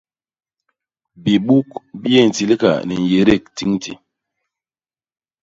Bibuk bi yé ntilga ni nyédék tiñti.